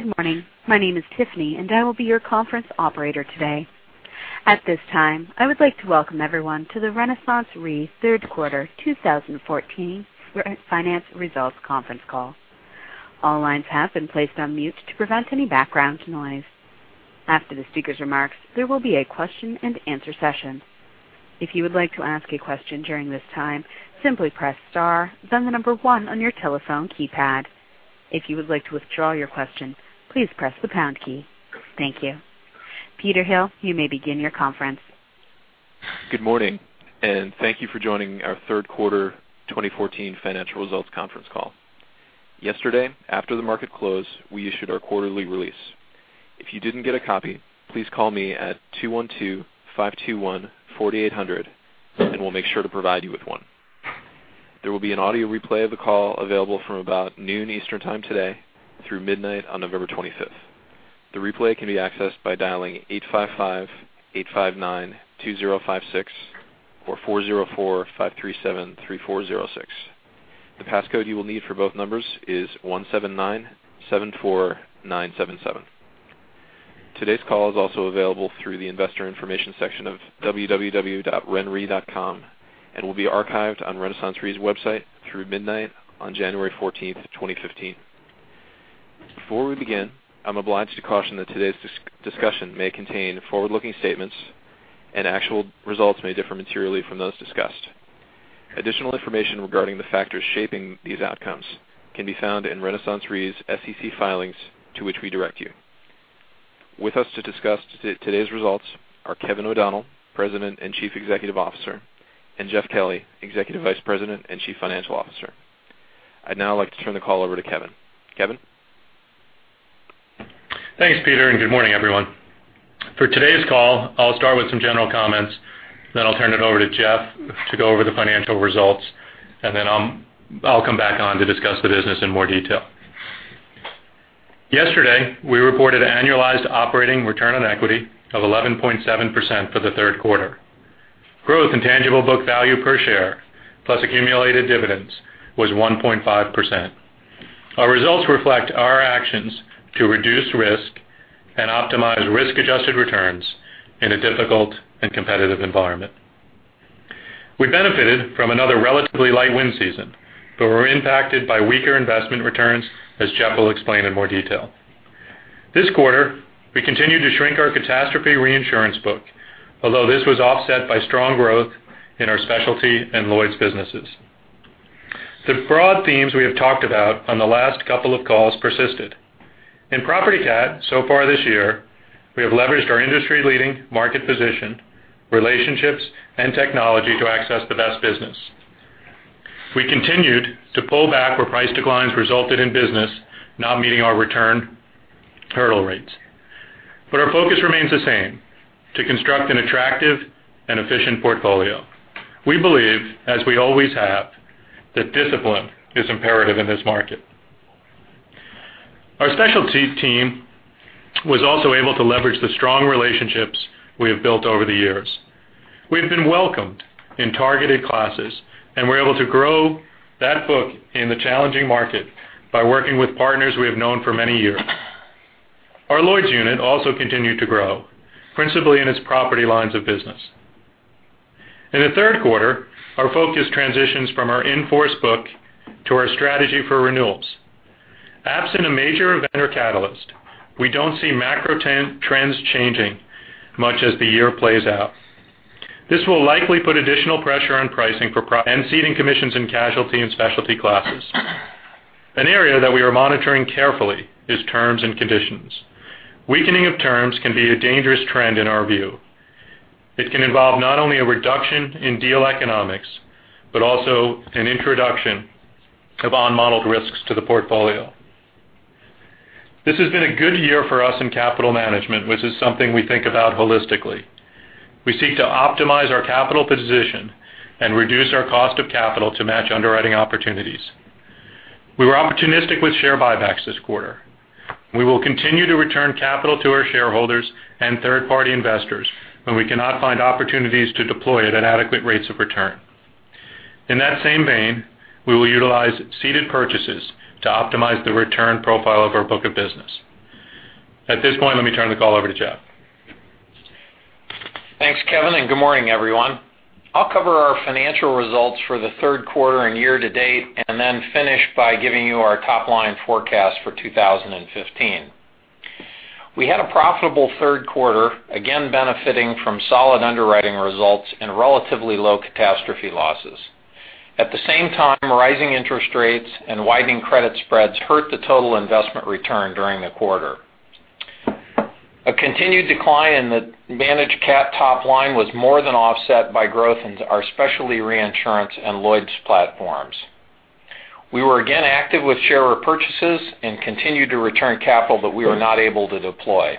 Good morning. My name is Tiffany, and I will be your conference operator today. At this time, I would like to welcome everyone to the RenaissanceRe Third Quarter 2014 Finance Results Conference Call. All lines have been placed on mute to prevent any background noise. After the speaker's remarks, there will be a question and answer session. If you would like to ask a question during this time, simply press star then the number 1 on your telephone keypad. If you would like to withdraw your question, please press the pound key. Thank you. Peter Hill, you may begin your conference. Good morning. Thank you for joining our third quarter 2014 financial results conference call. Yesterday, after the market closed, we issued our quarterly release. If you didn't get a copy, please call me at 212-521-4800, and we'll make sure to provide you with one. There will be an audio replay of the call available from about noon Eastern Time today through midnight on November 25th. The replay can be accessed by dialing 855-859-2056 or 404-537-3406. The passcode you will need for both numbers is 17974977. Today's call is also available through the investor information section of www.renre.com and will be archived on RenaissanceRe's website through midnight on January 14th, 2015. Before we begin, I'm obliged to caution that today's discussion may contain forward-looking statements and actual results may differ materially from those discussed. Additional information regarding the factors shaping these outcomes can be found in RenaissanceRe's SEC filings to which we direct you. With us to discuss today's results are Kevin O'Donnell, President and Chief Executive Officer, and Jeff Kelly, Executive Vice President and Chief Financial Officer. I'd now like to turn the call over to Kevin. Kevin? Thanks, Peter. Good morning, everyone. For today's call, I'll start with some general comments. Then I'll turn it over to Jeff to go over the financial results. Then I'll come back on to discuss the business in more detail. Yesterday, we reported an annualized operating return on equity of 11.7% for the third quarter. Growth in tangible book value per share, plus accumulated dividends was 1.5%. Our results reflect our actions to reduce risk and optimize risk-adjusted returns in a difficult and competitive environment. We benefited from another relatively light wind season. We were impacted by weaker investment returns, as Jeff will explain in more detail. This quarter, we continued to shrink our catastrophe reinsurance book, although this was offset by strong growth in our specialty and Lloyd's businesses. The broad themes we have talked about on the last couple of calls persisted. In property cat so far this year, we have leveraged our industry-leading market position, relationships, and technology to access the best business. We continued to pull back where price declines resulted in business not meeting our return hurdle rates. Our focus remains the same, to construct an attractive and efficient portfolio. We believe, as we always have, that discipline is imperative in this market. Our specialty team was also able to leverage the strong relationships we have built over the years. We've been welcomed in targeted classes and were able to grow that book in the challenging market by working with partners we have known for many years. Our Lloyd's unit also continued to grow, principally in its property lines of business. In the third quarter, our focus transitions from our in-force book to our strategy for renewals. Absent a major event or catalyst, we don't see macro trends changing much as the year plays out. This will likely put additional pressure on pricing for pricing commissions in casualty and specialty classes. An area that we are monitoring carefully is terms and conditions. Weakening of terms can be a dangerous trend in our view. It can involve not only a reduction in deal economics, but also an introduction of unmodeled risks to the portfolio. This has been a good year for us in capital management, which is something we think about holistically. We seek to optimize our capital position and reduce our cost of capital to match underwriting opportunities. We were opportunistic with share buybacks this quarter. We will continue to return capital to our shareholders and third-party investors when we cannot find opportunities to deploy it at adequate rates of return. In that same vein, we will utilize ceded purchases to optimize the return profile of our book of business. At this point, let me turn the call over to Jeff. Thanks, Kevin, and good morning, everyone. I'll cover our financial results for the third quarter and year to date, then finish by giving you our top-line forecast for 2015. We had a profitable third quarter, again benefiting from solid underwriting results and relatively low catastrophe losses. At the same time, rising interest rates and widening credit spreads hurt the total investment return during the quarter. A continued decline in the managed cat top line was more than offset by growth into our specialty reinsurance and Lloyd's platforms. We were again active with share repurchases and continued to return capital that we were not able to deploy.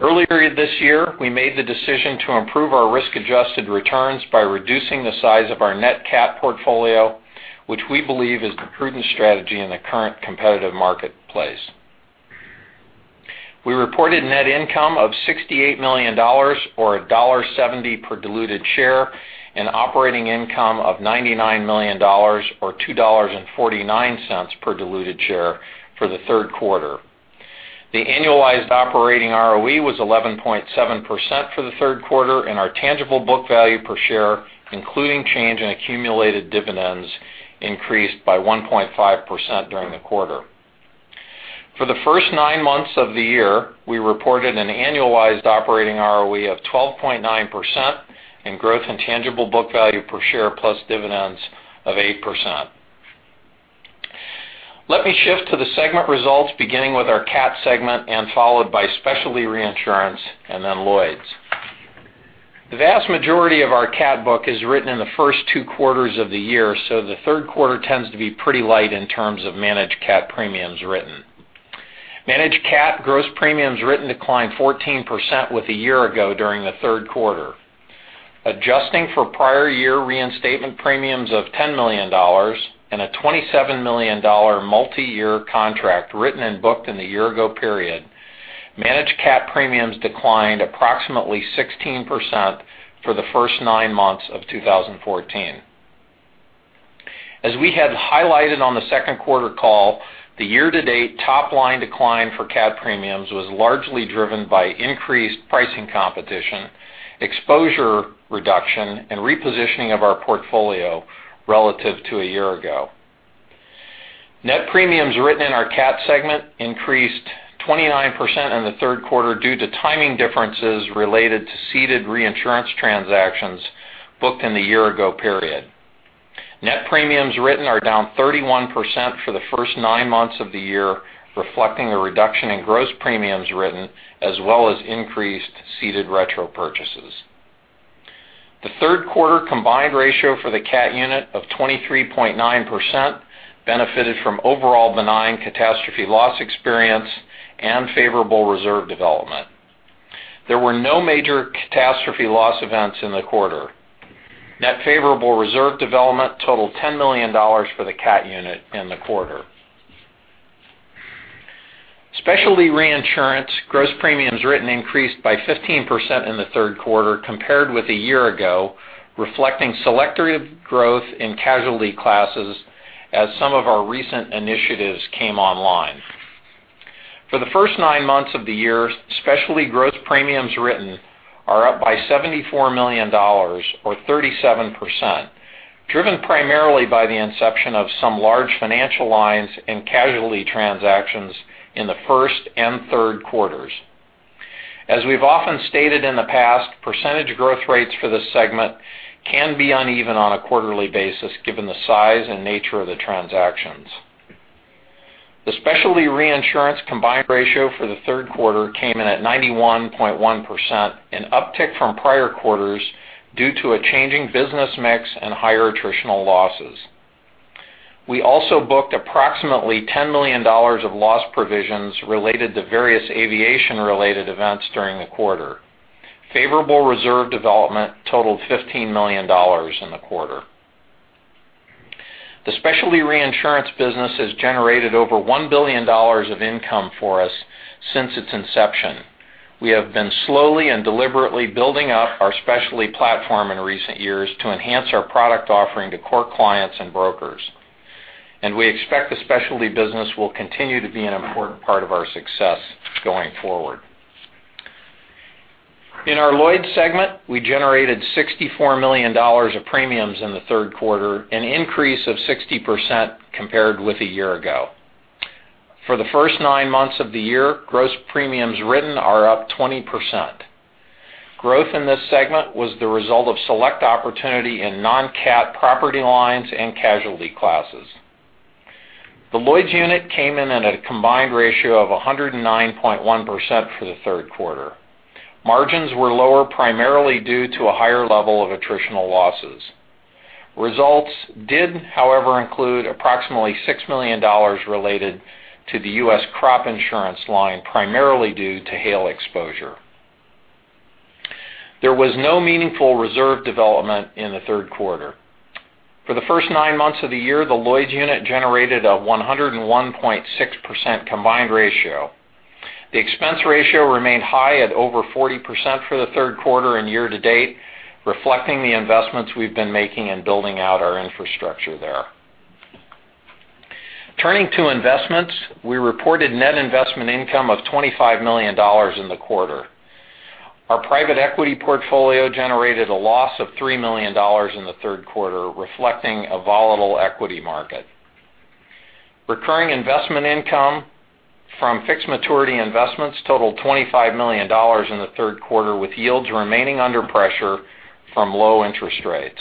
Earlier this year, we made the decision to improve our risk-adjusted returns by reducing the size of our net cat portfolio, which we believe is the prudent strategy in the current competitive marketplace. We reported net income of $68 million or $1.70 per diluted share and operating income of $99 million or $2.49 per diluted share for the third quarter. The annualized operating ROE was 11.7% for the third quarter, and our tangible book value per share, including change in accumulated dividends, increased by 1.5% during the quarter. For the first nine months of the year, we reported an annualized operating ROE of 12.9% and growth in tangible book value per share plus dividends of 8%. Let me shift to the segment results, beginning with our cat segment and followed by specialty reinsurance and then Lloyd's. The vast majority of our cat book is written in the first two quarters of the year, the third quarter tends to be pretty light in terms of managed cat premiums written. Managed cat gross premiums written declined 14% with a year ago during the third quarter. Adjusting for prior year reinstatement premiums of $10 million and a $27 million multi-year contract written and booked in the year ago period, managed cat premiums declined approximately 16% for the first nine months of 2014. As we had highlighted on the second quarter call, the year-to-date top line decline for cat premiums was largely driven by increased pricing competition, exposure reduction, and repositioning of our portfolio relative to a year ago. Net premiums written in our cat segment increased 29% in the third quarter due to timing differences related to ceded reinsurance transactions booked in the year ago period. Net premiums written are down 31% for the first nine months of the year, reflecting a reduction in gross premiums written, as well as increased ceded retro purchases. The third quarter combined ratio for the cat unit of 23.9% benefited from overall benign catastrophe loss experience and favorable reserve development. There were no major catastrophe loss events in the quarter. Net favorable reserve development totaled $10 million for the cat unit in the quarter. Specialty reinsurance. Gross premiums written increased by 15% in the third quarter compared with a year ago, reflecting selective growth in casualty classes as some of our recent initiatives came online. For the first nine months of the year, specialty growth premiums written are up by $74 million or 37%, driven primarily by the inception of some large financial lines and casualty transactions in the first and third quarters. As we've often stated in the past, percentage growth rates for this segment can be uneven on a quarterly basis, given the size and nature of the transactions. The specialty reinsurance combined ratio for the third quarter came in at 91.1%, an uptick from prior quarters due to a changing business mix and higher attritional losses. We also booked approximately $10 million of loss provisions related to various aviation related events during the quarter. Favorable reserve development totaled $15 million in the quarter. The specialty reinsurance business has generated over $1 billion of income for us since its inception. We have been slowly and deliberately building up our specialty platform in recent years to enhance our product offering to core clients and brokers. We expect the specialty business will continue to be an important part of our success going forward. In our Lloyd's segment, we generated $64 million of premiums in the third quarter, an increase of 60% compared with a year ago. For the first nine months of the year, gross premiums written are up 20%. Growth in this segment was the result of select opportunity in non-cat property lines and casualty classes. The Lloyd's unit came in at a combined ratio of 109.1% for the third quarter. Margins were lower, primarily due to a higher level of attritional losses. Results did, however, include approximately $6 million related to the U.S. crop insurance line, primarily due to hail exposure. There was no meaningful reserve development in the third quarter. For the first nine months of the year, the Lloyd's unit generated a 101.6% combined ratio. The expense ratio remained high at over 40% for the third quarter and year to date, reflecting the investments we've been making in building out our infrastructure there. Turning to investments. We reported net investment income of $25 million in the quarter. Our private equity portfolio generated a loss of $3 million in the third quarter, reflecting a volatile equity market. Recurring investment income from fixed maturity investments totaled $25 million in the third quarter, with yields remaining under pressure from low interest rates.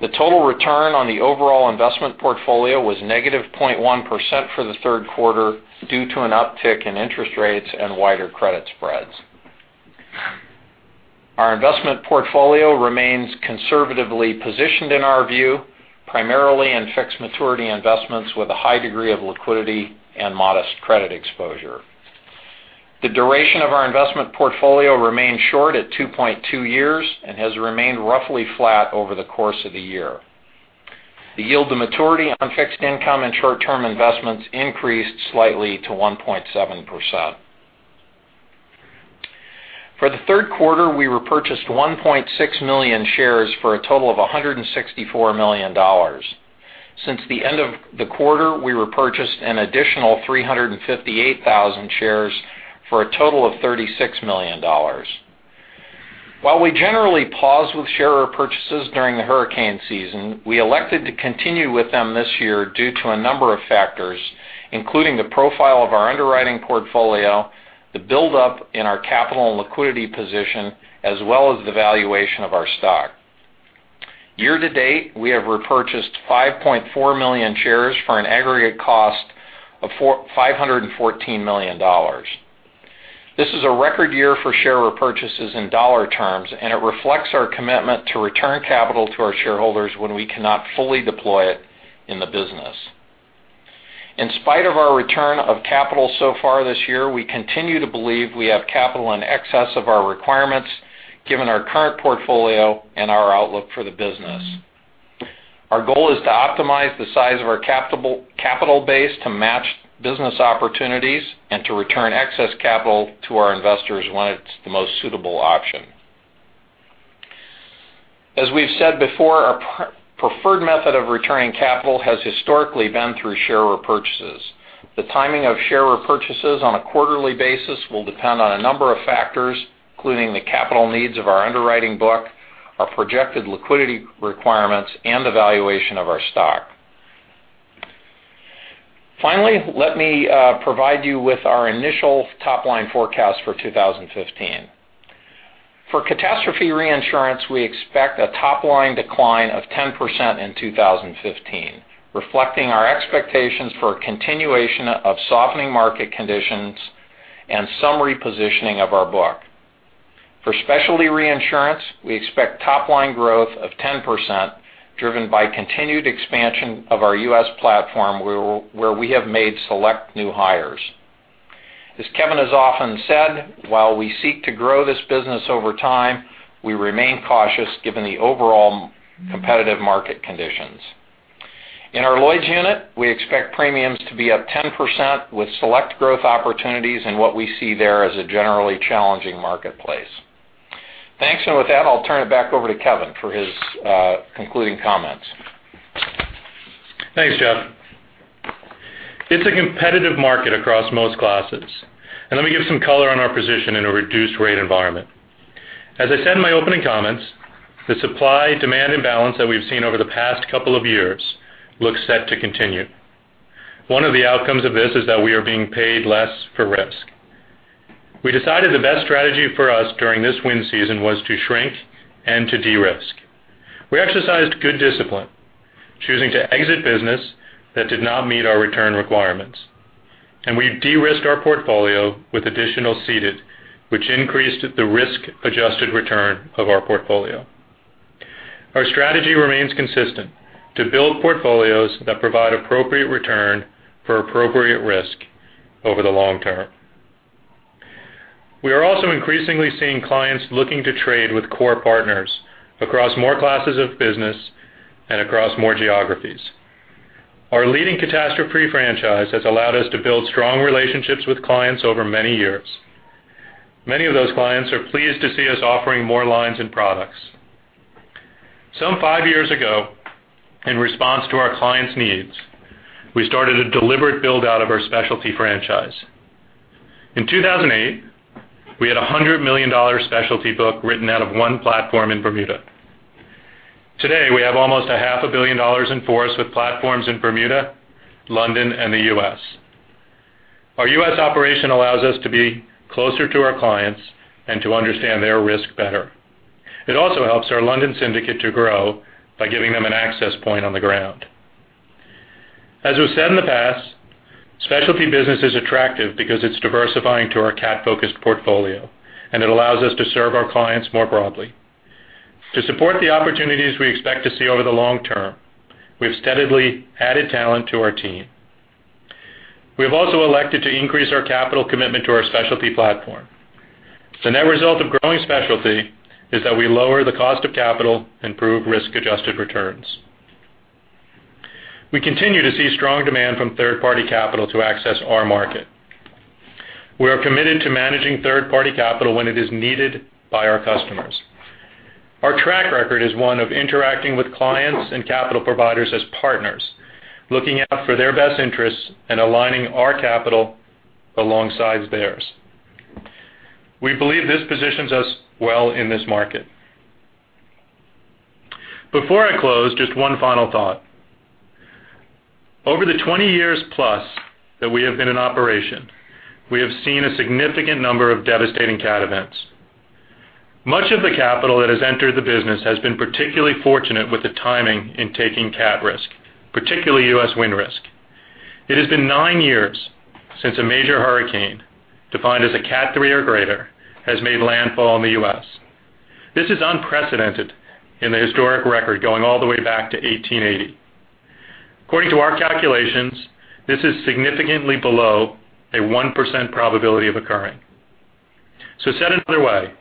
The total return on the overall investment portfolio was -0.1% for the third quarter due to an uptick in interest rates and wider credit spreads. Our investment portfolio remains conservatively positioned in our view, primarily in fixed maturity investments with a high degree of liquidity and modest credit exposure. The duration of our investment portfolio remains short at 2.2 years and has remained roughly flat over the course of the year. The yield to maturity on fixed income and short-term investments increased slightly to 1.7%. For the third quarter, we repurchased 1.6 million shares for a total of $164 million. Since the end of the quarter, we repurchased an additional 358,000 shares for a total of $36 million. While we generally pause with share repurchases during the hurricane season, we elected to continue with them this year due to a number of factors, including the profile of our underwriting portfolio, the buildup in our capital and liquidity position, as well as the valuation of our stock. Year to date, we have repurchased 5.4 million shares for an aggregate cost of $514 million. This is a record year for share repurchases in dollar terms. It reflects our commitment to return capital to our shareholders when we cannot fully deploy it in the business. In spite of our return of capital so far this year, we continue to believe we have capital in excess of our requirements, given our current portfolio and our outlook for the business. Our goal is to optimize the size of our capital base to match business opportunities and to return excess capital to our investors when it's the most suitable option. As we've said before, our preferred method of returning capital has historically been through share repurchases. The timing of share repurchases on a quarterly basis will depend on a number of factors, including the capital needs of our underwriting book, our projected liquidity requirements, and the valuation of our stock. Finally, let me provide you with our initial top-line forecast for 2015. For catastrophe reinsurance, we expect a top-line decline of 10% in 2015, reflecting our expectations for a continuation of softening market conditions and some repositioning of our book. For specialty reinsurance, we expect top-line growth of 10%, driven by continued expansion of our U.S. platform, where we have made select new hires. As Kevin has often said, while we seek to grow this business over time, we remain cautious given the overall competitive market conditions. In our Lloyd's unit, we expect premiums to be up 10% with select growth opportunities in what we see there as a generally challenging marketplace. Thanks. With that, I'll turn it back over to Kevin for his concluding comments. Thanks, Jeff. It's a competitive market across most classes. Let me give some color on our position in a reduced rate environment. As I said in my opening comments, the supply-demand imbalance that we've seen over the past couple of years looks set to continue. One of the outcomes of this is that we are being paid less for risk. We decided the best strategy for us during this wind season was to shrink and to de-risk. We exercised good discipline, choosing to exit business that did not meet our return requirements. We de-risked our portfolio with additional ceded, which increased the risk-adjusted return of our portfolio. Our strategy remains consistent: to build portfolios that provide appropriate return for appropriate risk over the long term. We are also increasingly seeing clients looking to trade with core partners across more classes of business and across more geographies. Our leading catastrophe franchise has allowed us to build strong relationships with clients over many years. Many of those clients are pleased to see us offering more lines and products. Some five years ago, in response to our clients' needs, we started a deliberate build-out of our specialty franchise. In 2008, we had a $100 million specialty book written out of one platform in Bermuda. Today, we have almost a half a billion dollars in force with platforms in Bermuda, London, and the U.S. Our U.S. operation allows us to be closer to our clients and to understand their risk better. It also helps our London syndicate to grow by giving them an access point on the ground. As we've said in the past, specialty business is attractive because it's diversifying to our cat-focused portfolio, and it allows us to serve our clients more broadly. To support the opportunities we expect to see over the long term, we've steadily added talent to our team. We have also elected to increase our capital commitment to our specialty platform. The net result of growing specialty is that we lower the cost of capital and improve risk-adjusted returns. We continue to see strong demand from third-party capital to access our market. We are committed to managing third-party capital when it is needed by our customers. Our track record is one of interacting with clients and capital providers as partners, looking out for their best interests and aligning our capital alongside theirs. We believe this positions us well in this market. Before I close, just one final thought. Over the 20 years plus that we have been in operation, we have seen a significant number of devastating cat events. Much of the capital that has entered the business has been particularly fortunate with the timing in taking cat risk, particularly U.S. wind risk. It has been nine years since a major hurricane, defined as a Category 3 or greater, has made landfall in the U.S. This is unprecedented in the historic record going all the way back to 1880. According to our calculations, this is significantly below a 1% probability of occurring. Said another way,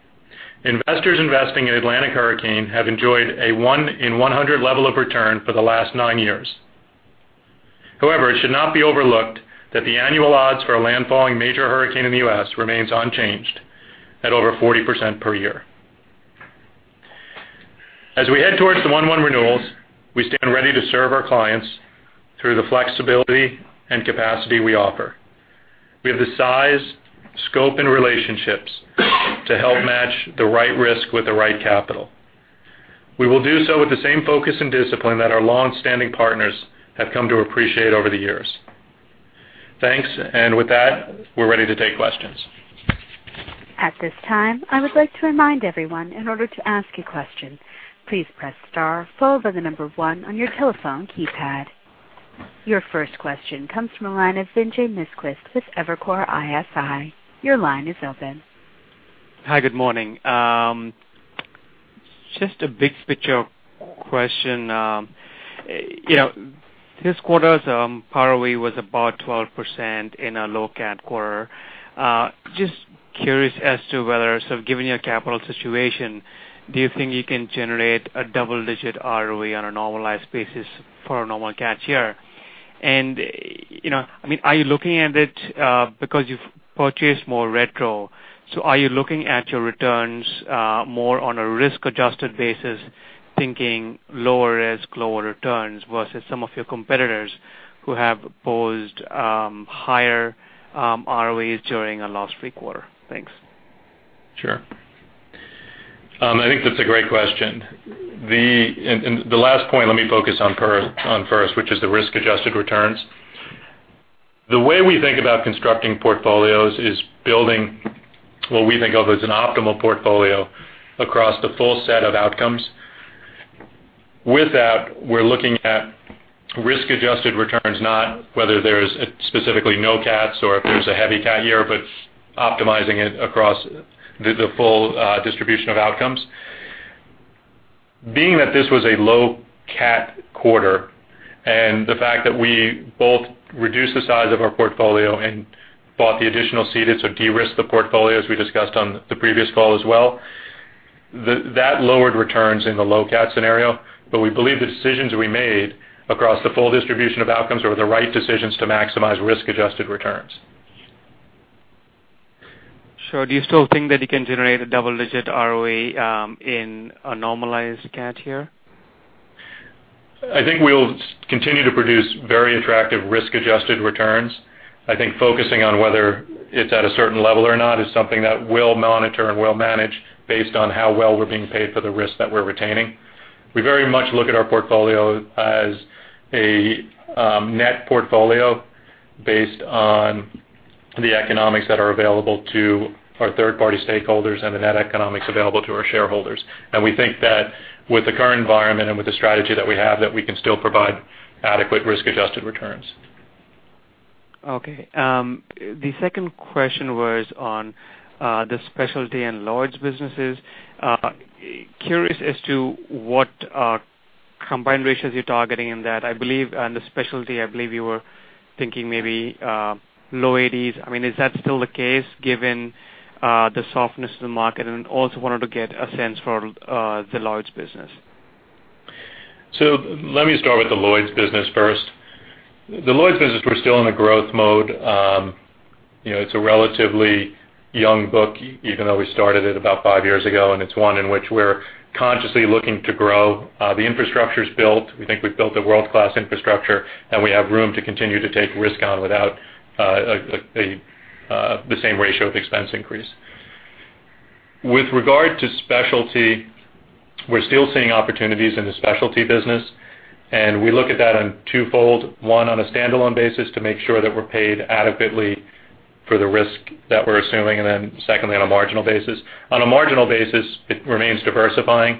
investors investing in Atlantic hurricane have enjoyed a one in 100 level of return for the last nine years. However, it should not be overlooked that the annual odds for a landfalling major hurricane in the U.S. remains unchanged at over 40% per year. As we head towards the 1/1 renewals, we stand ready to serve our clients through the flexibility and capacity we offer. We have the size, scope, and relationships to help match the right risk with the right capital. We will do so with the same focus and discipline that our longstanding partners have come to appreciate over the years. Thanks. With that, we're ready to take questions. At this time, I would like to remind everyone, in order to ask a question, please press star followed by the number one on your telephone keypad. Your first question comes from the line of Vinay Misquith with Evercore ISI. Your line is open. Hi, good morning. Just a big picture question. This quarter's ROE was about 12% in a low cat quarter. Given your capital situation, do you think you can generate a double-digit ROE on a normalized basis for a normal cat year? Are you looking at it because you've purchased more retro, so are you looking at your returns more on a risk-adjusted basis, thinking lower risk, lower returns, versus some of your competitors who have posed higher ROEs during the last three quarters? Thanks. Sure. I think that's a great question. The last point let me focus on first, which is the risk-adjusted returns. The way we think about constructing portfolios is building what we think of as an optimal portfolio across the full set of outcomes. With that, we're looking at risk-adjusted returns, not whether there's specifically no cats or if there's a heavy cat year, but optimizing it across the full distribution of outcomes. Being that this was a low cat quarter, and the fact that we both reduced the size of our portfolio and bought the additional ceded, so de-risked the portfolio as we discussed on the previous call as well, that lowered returns in the low cat scenario. We believe the decisions we made across the full distribution of outcomes were the right decisions to maximize risk-adjusted returns. Sure. Do you still think that you can generate a double-digit ROE in a normalized cat year? I think we'll continue to produce very attractive risk-adjusted returns. I think focusing on whether it's at a certain level or not is something that we'll monitor and we'll manage based on how well we're being paid for the risk that we're retaining. We very much look at our portfolio as a net portfolio based on the economics that are available to our third-party stakeholders and the net economics available to our shareholders. We think that with the current environment and with the strategy that we have, that we can still provide adequate risk-adjusted returns. Okay. The second question was on the specialty and Lloyd's businesses. Curious as to what combined ratios you're targeting in that. On the specialty, I believe you were thinking maybe low eighties. Is that still the case given the softness of the market? Also wanted to get a sense for the Lloyd's business. Let me start with the Lloyd's business first. The Lloyd's business, we're still in a growth mode. It's a relatively young book, even though we started it about five years ago, and it's one in which we're consciously looking to grow. The infrastructure's built. We think we've built a world-class infrastructure, and we have room to continue to take risk on without the same ratio of expense increase. With regard to specialty, we're still seeing opportunities in the specialty business, and we look at that on twofold. One, on a standalone basis to make sure that we're paid adequately for the risk that we're assuming, then secondly, on a marginal basis. On a marginal basis, it remains diversifying,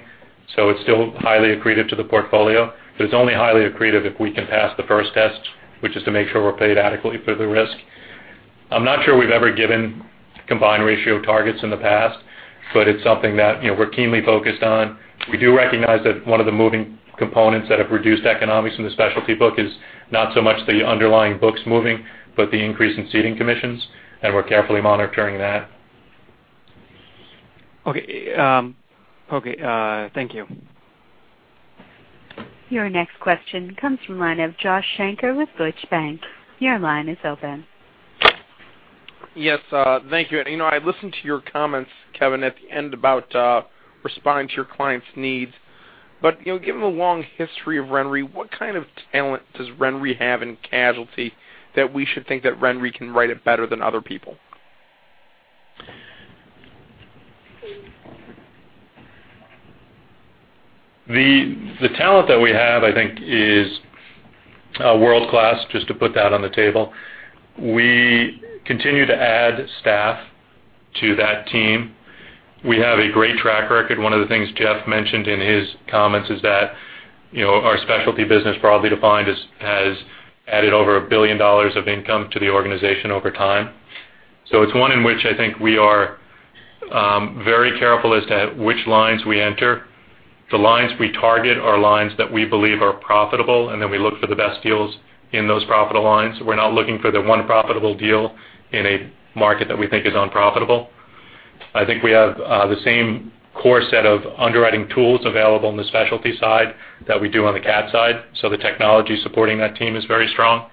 it's still highly accretive to the portfolio, it's only highly accretive if we can pass the first test, which is to make sure we're paid adequately for the risk. I'm not sure we've ever given combined ratio targets in the past, but it's something that we're keenly focused on. We do recognize that one of the moving components that have reduced economics in the specialty book is not so much the underlying books moving, but the increase in ceding commissions, we're carefully monitoring that. Okay. Thank you. Your next question comes from the line of Josh Shanker with Deutsche Bank. Your line is open. Yes, thank you. I listened to your comments, Kevin, at the end about responding to your clients' needs. Given the long history of RenRe, what kind of talent does RenRe have in casualty that we should think that RenRe can write it better than other people? The talent that we have, I think is world-class, just to put that on the table. We continue to add staff to that team. We have a great track record. One of the things Jeff mentioned in his comments is that our specialty business, broadly defined, has added over $1 billion of income to the organization over time. It's one in which I think we are very careful as to which lines we enter. The lines we target are lines that we believe are profitable, and then we look for the best deals in those profitable lines. We're not looking for the one profitable deal in a market that we think is unprofitable. I think we have the same core set of underwriting tools available on the specialty side that we do on the cat side. The technology supporting that team is very strong.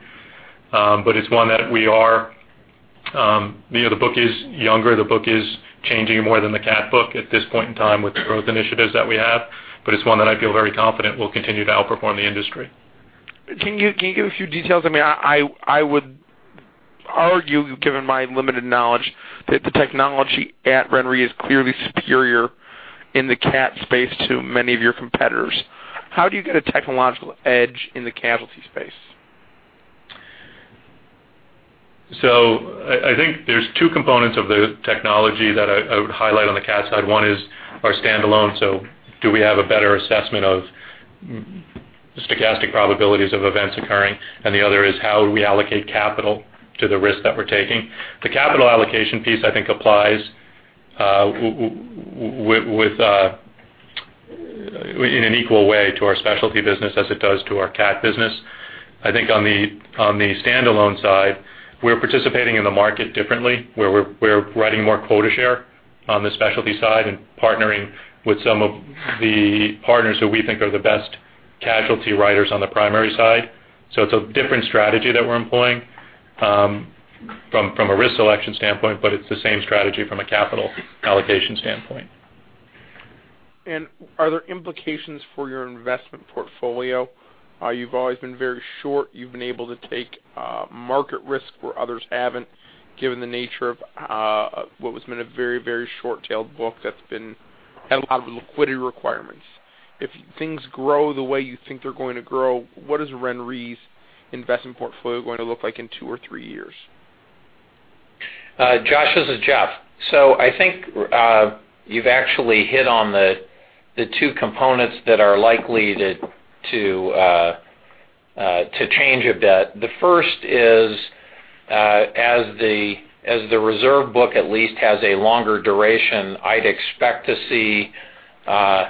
It's one that the book is younger, the book is changing more than the cat book at this point in time with the growth initiatives that we have. It's one that I feel very confident will continue to outperform the industry. Can you give a few details? I would argue, given my limited knowledge, that the technology at RenRe is clearly superior in the cat space to many of your competitors. How do you get a technological edge in the casualty space? I think there's two components of the technology that I would highlight on the cat side. One is our standalone. Do we have a better assessment of stochastic probabilities of events occurring? And the other is how we allocate capital to the risk that we're taking. The capital allocation piece, I think, applies in an equal way to our specialty business as it does to our cat business. I think on the standalone side, we're participating in the market differently, where we're writing more quota share on the specialty side and partnering with some of the partners who we think are the best casualty writers on the primary side. It's a different strategy that we're employing, from a risk selection standpoint, but it's the same strategy from a capital allocation standpoint. Are there implications for your investment portfolio? You've always been very short. You've been able to take market risk where others haven't, given the nature of what has been a very short-tailed book that's had a lot of liquidity requirements. If things grow the way you think they're going to grow, what is RenRe's investment portfolio going to look like in two or three years? Josh, this is Jeff. I think you've actually hit on the two components that are likely to change a bit. The first is as the reserve book at least has a longer duration, I'd expect to see a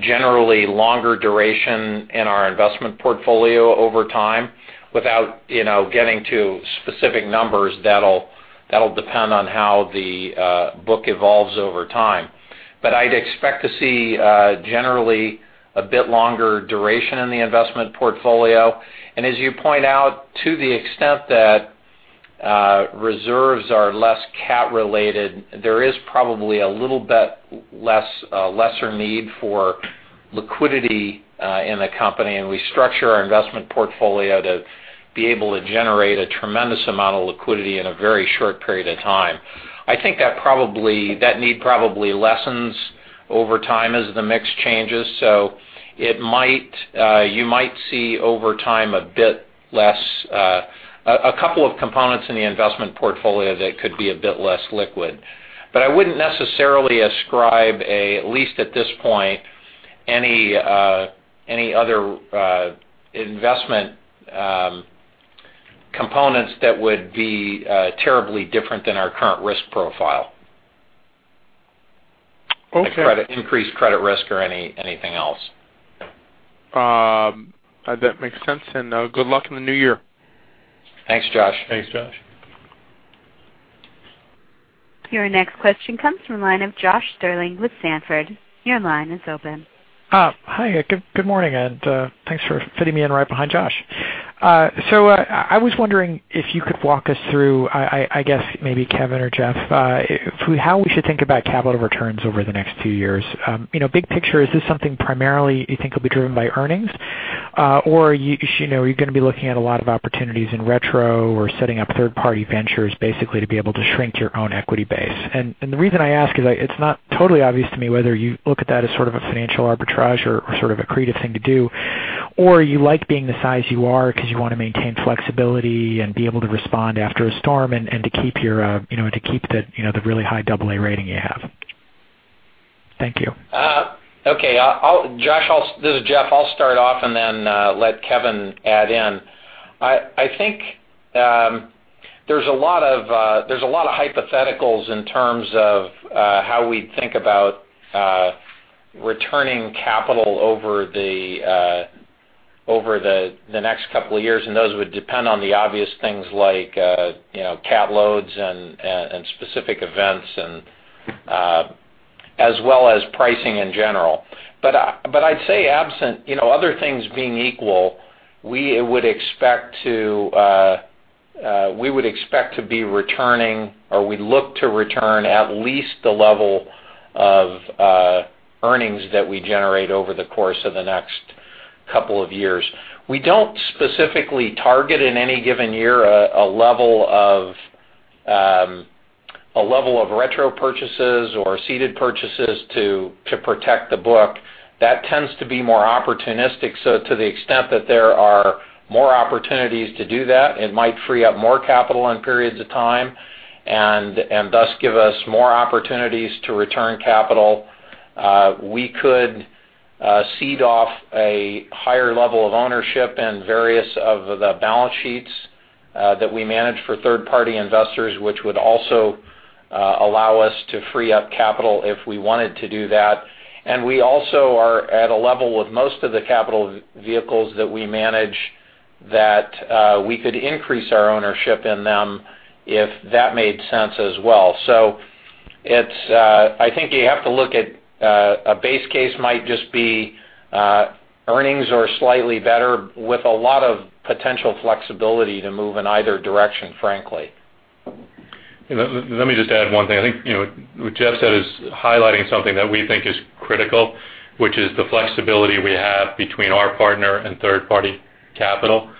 generally longer duration in our investment portfolio over time. Without getting to specific numbers, that'll depend on how the book evolves over time. I'd expect to see generally a bit longer duration in the investment portfolio. As you point out, to the extent that reserves are less cat related, there is probably a little bit lesser need for liquidity in the company, and we structure our investment portfolio to be able to generate a tremendous amount of liquidity in a very short period of time. I think that need probably lessens over time as the mix changes. You might see over time a bit less, a couple of components in the investment portfolio that could be a bit less liquid. I wouldn't necessarily ascribe a, at least at this point, any other investment components that would be terribly different than our current risk profile. Okay. Increased credit risk or anything else. That makes sense. Good luck in the new year. Thanks, Josh. Thanks, Josh. Your next question comes from the line of Josh Stirling with Sanford. Your line is open. Hi, good morning, thanks for fitting me in right behind Josh. I was wondering if you could walk us through, I guess maybe Kevin or Jeff, how we should think about capital returns over the next 2 years. Big picture, is this something primarily you think will be driven by earnings? Are you going to be looking at a lot of opportunities in retro or setting up third-party ventures basically to be able to shrink your own equity base? The reason I ask is it's not totally obvious to me whether you look at that as sort of a financial arbitrage or sort of accretive thing to do, or you like being the size you are because you want to maintain flexibility and be able to respond after a storm and to keep the really high AA rating you have. Thank you. Okay. Josh, this is Jeff. I'll start off, then let Kevin add in. I think there's a lot of hypotheticals in terms of how we think about returning capital over the next 2 years, those would depend on the obvious things like cat loads and specific events as well as pricing in general. I'd say absent other things being equal, we would expect to be returning, or we'd look to return at least the level of earnings that we generate over the course of the next 2 years. We don't specifically target in any given year a level of retro purchases or ceded purchases to protect the book. That tends to be more opportunistic. To the extent that there are more opportunities to do that, it might free up more capital in periods of time and thus give us more opportunities to return capital. We could cede off a higher level of ownership in various of the balance sheets that we manage for third-party investors, which would also allow us to free up capital if we wanted to do that. We also are at a level with most of the capital vehicles that we manage that we could increase our ownership in them if that made sense as well. I think you have to look at a base case might just be earnings are slightly better with a lot of potential flexibility to move in either direction, frankly. Let me just add one thing. I think what Jeff said is highlighting something that we think is critical, which is the flexibility we have between our partner and third-party capital.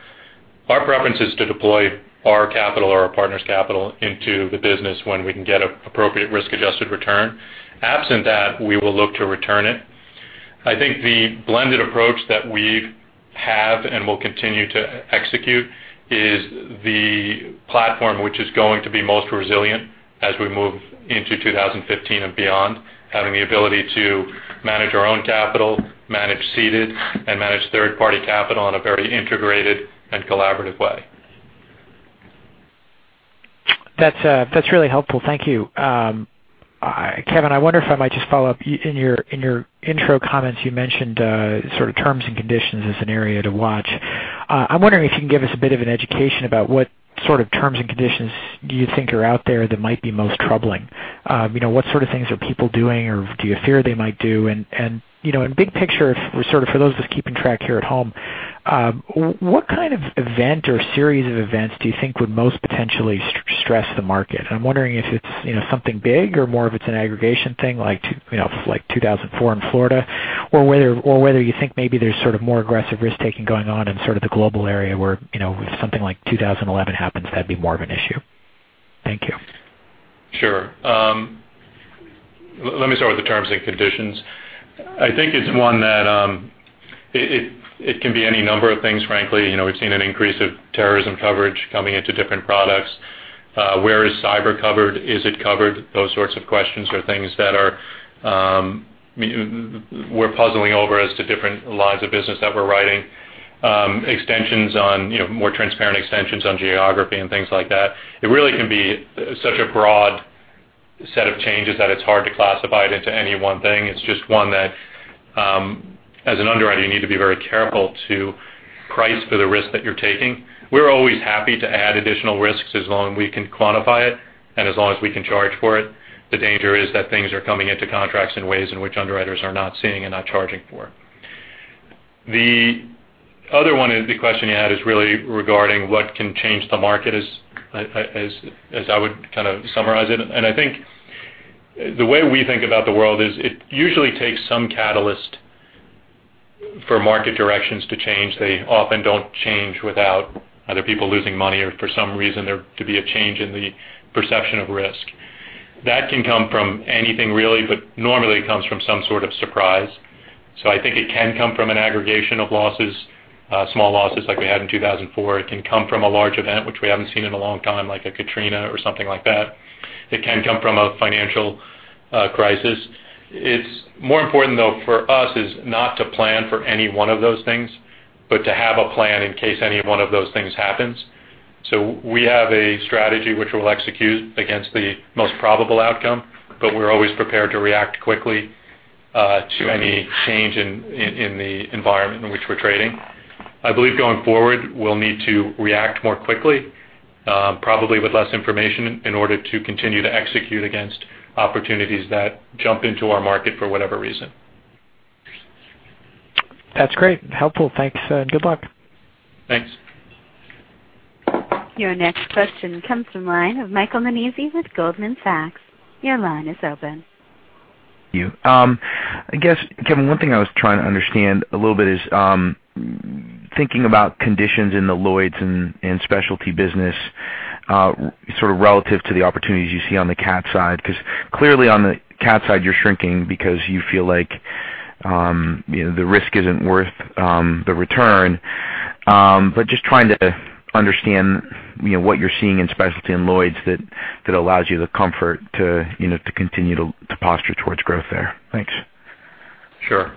Our preference is to deploy our capital or our partner's capital into the business when we can get appropriate risk-adjusted return. Absent that, we will look to return it. I think the blended approach that we have and will continue to execute is the platform which is going to be most resilient as we move into 2015 and beyond. Having the ability to manage our own capital, manage seeded, and manage third-party capital in a very integrated and collaborative way. That's really helpful. Thank you. Kevin, I wonder if I might just follow up. In your intro comments, you mentioned sort of terms and conditions as an area to watch. I'm wondering if you can give us a bit of an education about what sort of terms and conditions do you think are out there that might be most troubling. What sort of things are people doing or do you fear they might do? Big picture, for sort of for those of us keeping track here at home, what kind of event or series of events do you think would most potentially stress the market? I'm wondering if it's something big or more of it's an aggregation thing like 2004 in Florida, or whether you think maybe there's sort of more aggressive risk-taking going on in sort of the global area where if something like 2011 happens, that'd be more of an issue. Thank you. Sure. Let me start with the terms and conditions. I think it's one that it can be any number of things, frankly. We've seen an increase of terrorism coverage coming into different products. Where is cyber covered? Is it covered? Those sorts of questions are things that we're puzzling over as to different lines of business that we're writing. More transparent extensions on geography and things like that. It really can be such a broad set of changes that it's hard to classify it into any one thing. It's just one that, as an underwriter, you need to be very careful to price for the risk that you're taking. We're always happy to add additional risks as long we can quantify it, and as long as we can charge for it. The danger is that things are coming into contracts in ways in which underwriters are not seeing and not charging for. The other one is the question you had is really regarding what can change the market, as I would kind of summarize it. I think the way we think about the world is it usually takes some catalyst for market directions to change. They often don't change without other people losing money or for some reason there to be a change in the perception of risk. That can come from anything really, but normally it comes from some sort of surprise. I think it can come from an aggregation of losses, small losses like we had in 2004. It can come from a large event which we haven't seen in a long time, like a Hurricane Katrina or something like that. It can come from a financial crisis. It's more important, though, for us is not to plan for any one of those things, but to have a plan in case any one of those things happens. We have a strategy which we'll execute against the most probable outcome, but we're always prepared to react quickly to any change in the environment in which we're trading. I believe going forward, we'll need to react more quickly, probably with less information in order to continue to execute against opportunities that jump into our market for whatever reason. That's great. Helpful. Thanks, good luck. Thanks. Your next question comes from the line of Michael Nannizzi with Goldman Sachs. Your line is open. You. I guess, Kevin, one thing I was trying to understand a little bit is thinking about conditions in the Lloyd's and Specialty business sort of relative to the opportunities you see on the cat side, because clearly on the cat side you're shrinking because you feel like the risk isn't worth the return. Just trying to understand what you're seeing in Specialty and Lloyd's that allows you the comfort to continue to posture towards growth there. Thanks. Sure.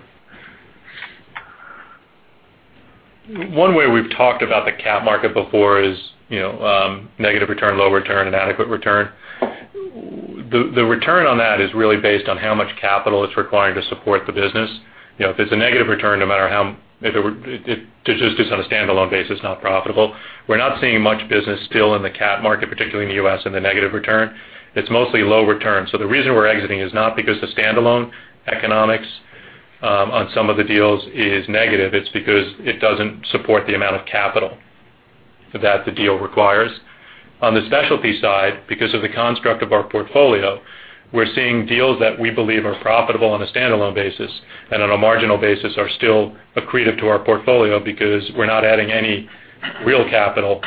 One way we've talked about the cat market before is negative return, low return, inadequate return. The return on that is really based on how much capital it's requiring to support the business. If it's a negative return, just on a standalone basis, not profitable. We're not seeing much business still in the cat market, particularly in the U.S., in the negative return. It's mostly low return. The reason we're exiting is not because the standalone economics on some of the deals is negative, it's because it doesn't support the amount of capital that the deal requires. On the Specialty side, because of the construct of our portfolio, we're seeing deals that we believe are profitable on a standalone basis and on a marginal basis are still accretive to our portfolio because we're not adding any real capital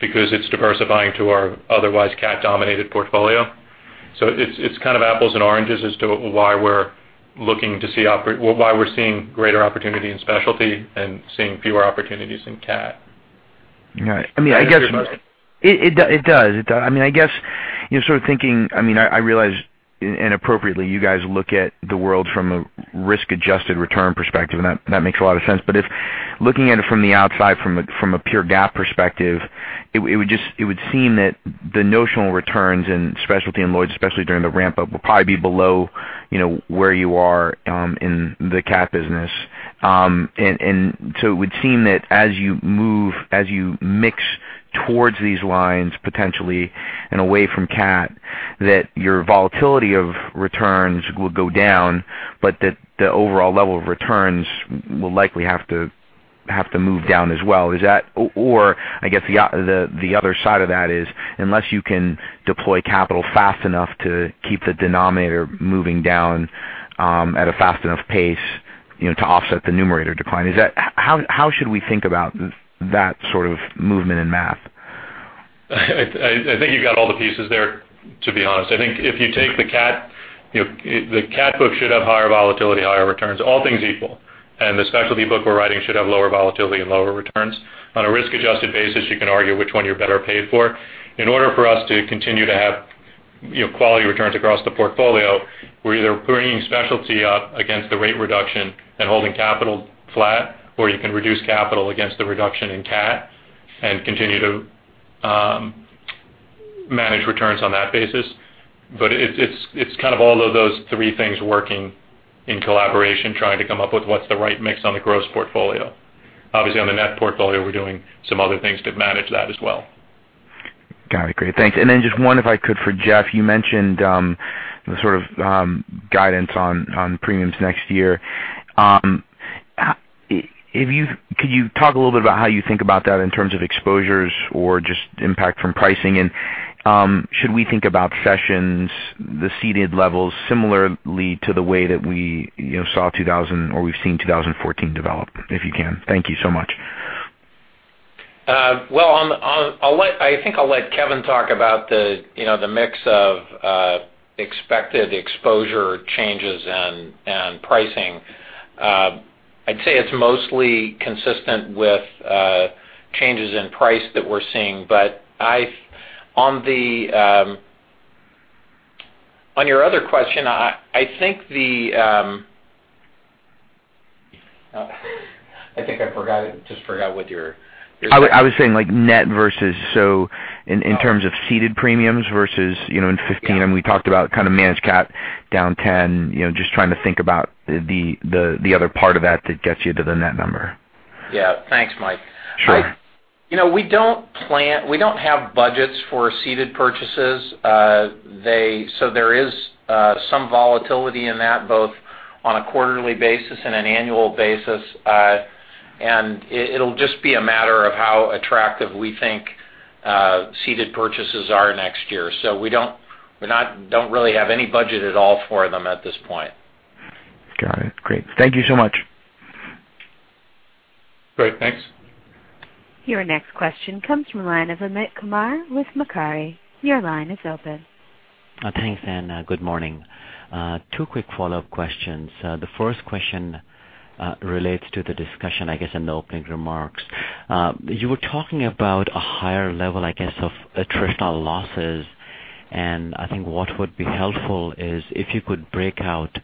because it's diversifying to our otherwise cat-dominated portfolio. It's kind of apples and oranges as to why we're seeing greater opportunity in Specialty and seeing fewer opportunities in cat. Right. I guess. Does that answer your question? It does. I mean, Sort of thinking, I realize, and appropriately, you guys look at the world from a risk-adjusted return perspective, and that makes a lot of sense. If looking at it from the outside, from a pure GAAP perspective, it would seem that the notional returns in specialty and Lloyd's, especially during the ramp-up, will probably be below where you are in the cat business. It would seem that as you mix towards these lines potentially and away from cat, that your volatility of returns will go down, but that the overall level of returns will likely have to move down as well. I guess the other side of that is, unless you can deploy capital fast enough to keep the denominator moving down at a fast enough pace to offset the numerator decline. How should we think about that sort of movement in math? I think you've got all the pieces there, to be honest. I think if you take the cat, the cat book should have higher volatility, higher returns, all things equal. The specialty book we're writing should have lower volatility and lower returns. On a risk-adjusted basis, you can argue which one you're better paid for. In order for us to continue to have quality returns across the portfolio, we're either bringing specialty up against the rate reduction and holding capital flat, or you can reduce capital against the reduction in cat and continue to manage returns on that basis. It's kind of all of those three things working in collaboration, trying to come up with what's the right mix on the gross portfolio. Obviously, on the net portfolio, we're doing some other things to manage that as well. Got it. Great, thanks. Just one if I could for Jeff, you mentioned the sort of guidance on premiums next year. Could you talk a little bit about how you think about that in terms of exposures or just impact from pricing? Should we think about sessions, the ceded levels similarly to the way that we saw 2000 or we've seen 2014 develop, if you can? Thank you so much. Well, I think I'll let Kevin talk about the mix of expected exposure changes and pricing. I'd say it's mostly consistent with changes in price that we're seeing. On your other question, I think I forgot just what your- I was saying net versus, in terms of ceded premiums versus in 2015, we talked about kind of managed cat down 10, just trying to think about the other part of that that gets you to the net number. Yeah. Thanks, Mike. Sure. We don't have budgets for ceded purchases. There is some volatility in that, both on a quarterly basis and an annual basis. It'll just be a matter of how attractive we think ceded purchases are next year. We don't really have any budget at all for them at this point. Got it. Great. Thank you so much. Great. Thanks. Your next question comes from the line of Amit Kumar with Macquarie. Your line is open. Thanks. Good morning. Two quick follow-up questions. The first question relates to the discussion, I guess, in the opening remarks. You were talking about a higher level, I guess, of attritional losses, and I think what would be helpful is if you could break out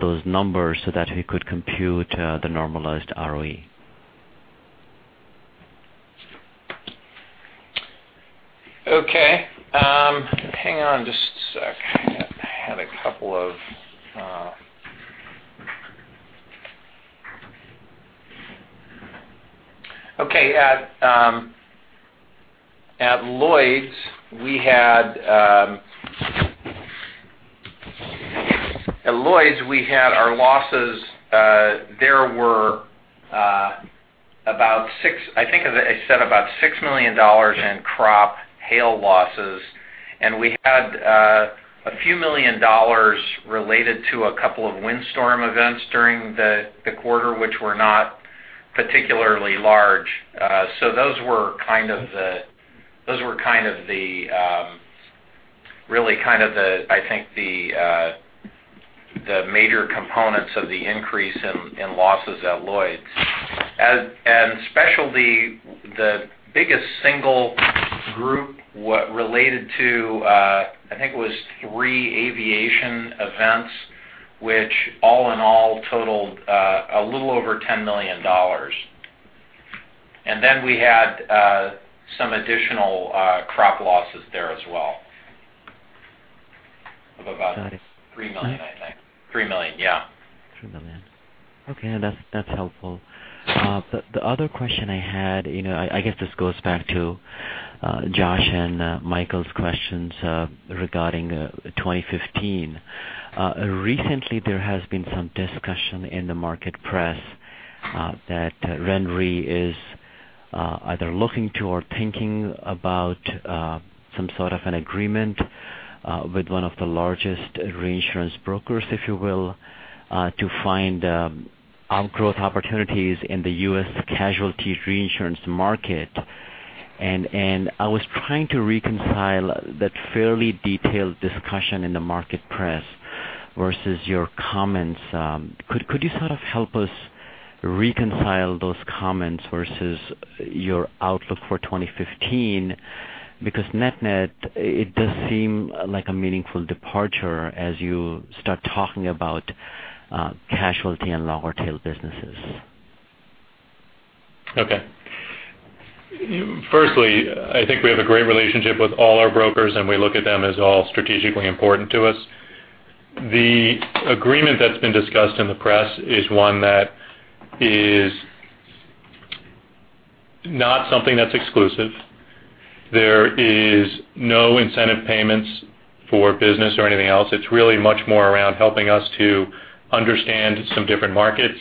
those numbers so that we could compute the normalized ROE. Okay. Hang on just a sec. At Lloyd's, we had our losses. There were about six, I think I said about $6 million in crop hail losses, and we had a few million dollars related to a couple of windstorm events during the quarter, which were not particularly large. Those were really kind of the, I think the major components of the increase in losses at Lloyd's. Specialty, the biggest single group related to I think it was three aviation events, which all in all totaled a little over $10 million. We had some additional crop losses there as well of about- Got it. three million, I think. Three million, yeah. $3 million. Okay, that's helpful. The other question I had, I guess this goes back to Josh and Michael's questions regarding 2015. Recently, there has been some discussion in the market press that RenRe is either looking to or thinking about some sort of an agreement with one of the largest reinsurance brokers, if you will, to find outgrowth opportunities in the U.S. casualty reinsurance market. I was trying to reconcile that fairly detailed discussion in the market press versus your comments. Could you sort of help us reconcile those comments versus your outlook for 2015? Net net, it does seem like a meaningful departure as you start talking about casualty and longer tail businesses. Okay. Firstly, I think we have a great relationship with all our brokers. We look at them as all strategically important to us. The agreement that's been discussed in the press is one that is not something that's exclusive. There is no incentive payments for business or anything else. It's really much more around helping us to understand some different markets.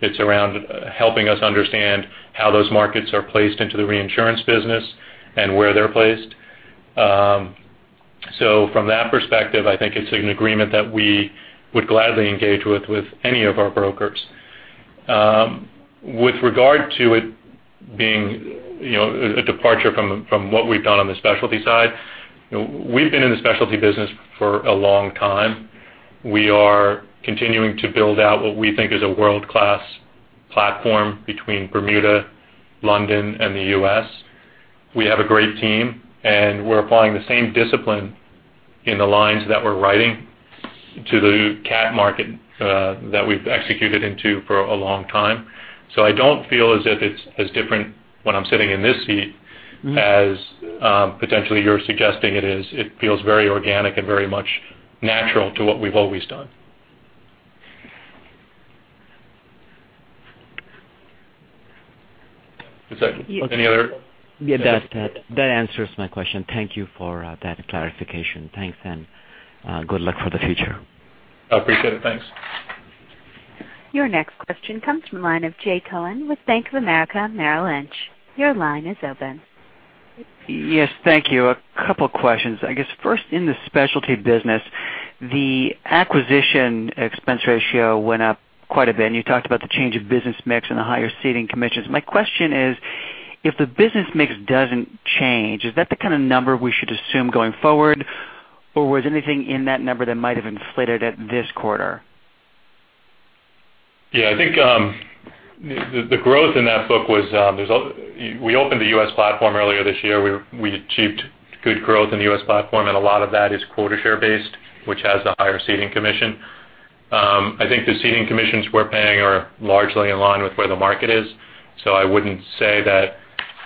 It's around helping us understand how those markets are placed into the reinsurance business and where they're placed. From that perspective, I think it's an agreement that we would gladly engage with any of our brokers. With regard to it being a departure from what we've done on the specialty side, we've been in the specialty business for a long time. We are continuing to build out what we think is a world-class platform between Bermuda, London, and the U.S. We have a great team. We're applying the same discipline in the lines that we're writing to the cat market that we've executed into for a long time. I don't feel as if it's as different when I'm sitting in this seat as potentially you're suggesting it is. It feels very organic and very much natural to what we've always done. Any other? Yeah. That answers my question. Thank you for that clarification. Thanks and good luck for the future. I appreciate it. Thanks. Your next question comes from the line of Jay Cohen with Bank of America Merrill Lynch. Your line is open. Yes, thank you. A couple questions. I guess, first, in the specialty business, the acquisition expense ratio went up quite a bit, and you talked about the change of business mix and the higher ceding commissions. My question is, if the business mix doesn't change, is that the kind of number we should assume going forward, or was anything in that number that might have inflated it this quarter? Yeah, I think the growth in that book was we opened the U.S. platform earlier this year. We achieved good growth in the U.S. platform, and a lot of that is quota share-based, which has a higher ceding commission. I think the ceding commissions we're paying are largely in line with where the market is. I wouldn't say that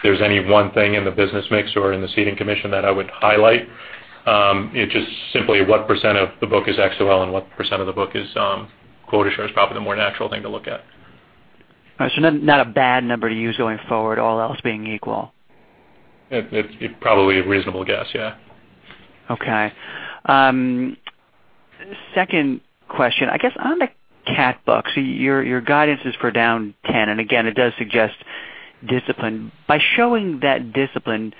there's any one thing in the business mix or in the ceding commission that I would highlight. It's just simply what % of the book is XOL and what % of the book is quota share is probably the more natural thing to look at. All right. Not a bad number to use going forward, all else being equal. It probably a reasonable guess, yeah. Okay. Second question, I guess on the cat books, your guidance is for down 10%, again, it does suggest discipline. By showing that discipline,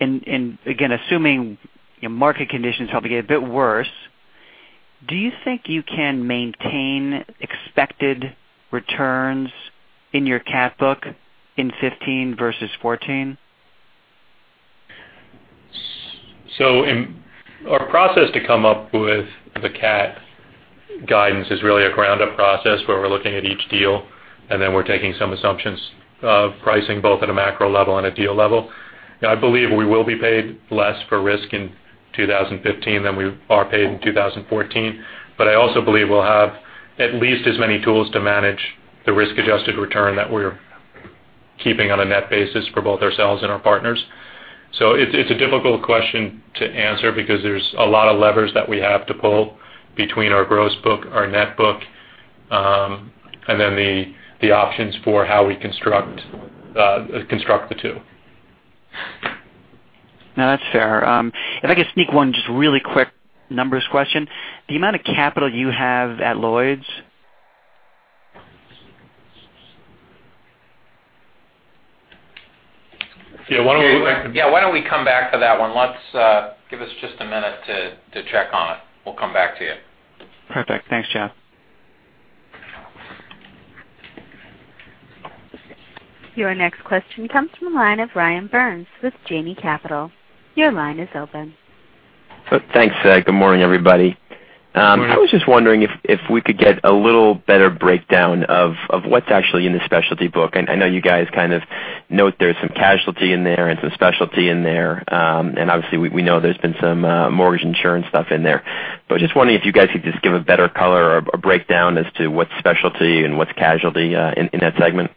again, assuming market conditions probably get a bit worse, do you think you can maintain expected returns in your cat book in 2015 versus 2014? Our process to come up with the cat guidance is really a ground-up process where we're looking at each deal, and then we're taking some assumptions of pricing both at a macro level and a deal level. I believe we will be paid less for risk in 2015 than we are paid in 2014. I also believe we'll have at least as many tools to manage the risk-adjusted return that we're keeping on a net basis for both ourselves and our partners. It's a difficult question to answer because there's a lot of levers that we have to pull between our gross book, our net book and then the options for how we construct the two. No, that's fair. If I could sneak one just really quick numbers question. The amount of capital you have at Lloyd's? Yeah. Why don't we come back to that one. Give us just a minute to check on it. We'll come back to you. Perfect. Thanks, Jeff. Your next question comes from the line of Ryan Byrnes with Janney Capital. Your line is open. Thanks. Good morning, everybody. Good morning. I was just wondering if we could get a little better breakdown of what's actually in the specialty book. I know you guys kind of note there's some casualty in there and some specialty in there. Obviously we know there's been some mortgage insurance stuff in there. Just wondering if you guys could just give a better color or a breakdown as to what's specialty and what's casualty in that segment.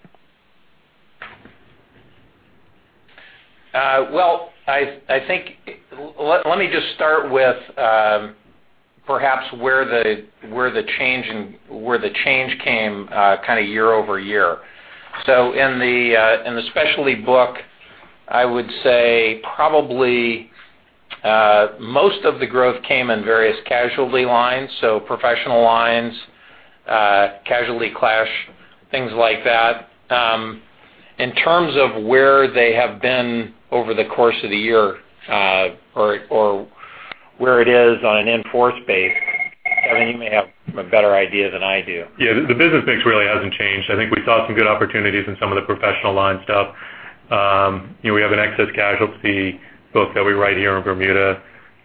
Let me just start with perhaps where the change came kind of year-over-year. In the specialty book, I would say probably most of the growth came in various casualty lines, professional lines, casualty clash, things like that. In terms of where they have been over the course of the year or where it is on an in-force base, Evan, you may have a better idea than I do. Yeah. The business mix really hasn't changed. I think we saw some good opportunities in some of the professional lines. We have an excess casualty book that we write here in Bermuda,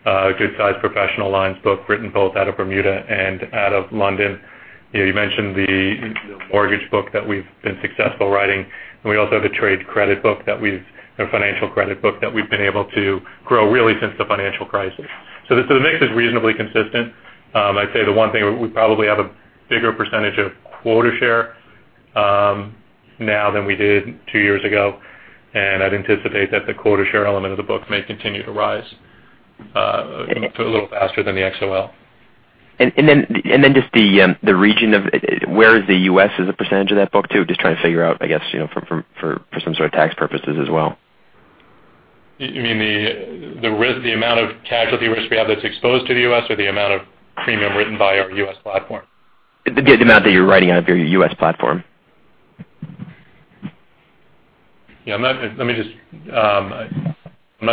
a good-sized professional lines book written both out of Bermuda and out of London. You mentioned the mortgage book that we've been successful writing, and we also have a financial credit book that we've been able to grow, really since the financial crisis. The mix is reasonably consistent. I'd say the one thing, we probably have a bigger percentage of quota share now than we did two years ago, and I'd anticipate that the quota share element of the book may continue to rise a little faster than the XOL. Just the region of where is the U.S. as a percentage of that book too? Just trying to figure out, I guess, for some sort of tax purposes as well. You mean the amount of casualty risk we have that's exposed to the U.S. or the amount of premium written by our U.S. platform? The amount that you're writing out of your U.S. platform. I'm not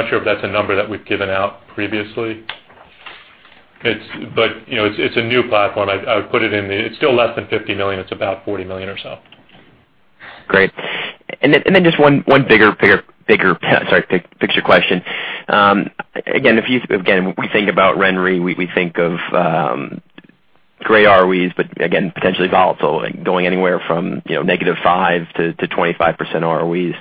sure if that's a number that we've given out previously. It's a new platform. It's still less than $50 million. It's about $40 million or so. Great. Just one bigger, sorry, picture question. Again, we think about RenRe, we think of great ROEs, but again, potentially volatile, going anywhere from -5% to 25% ROEs.